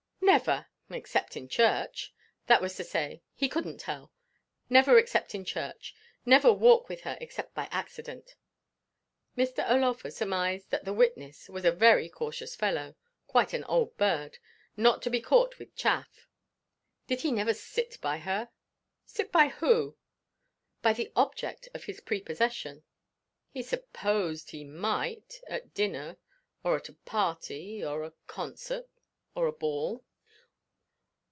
Never except in church; that was to say, he couldn't tell. Never except in church never walk with her except by accident! Mr. O'Laugher surmised that the witness was a very cautious fellow quite an old bird not to be caught with chaff. Did he never sit by her? Sit by who? By the object of his prepossession? He supposed he might, at dinner, or at a party, or a concert or a ball.